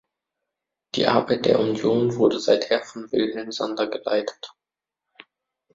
Die Arbeit der Union wurde seither von Wilhelm Sander geleitet.